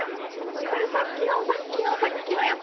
これさっきのさっきのさっきのやつ。